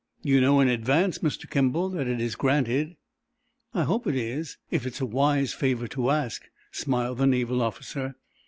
"You know in advance, Mr. Kimball, that it is granted." "I hope it is, if it's a wise favor to ask," smiled the naval officer.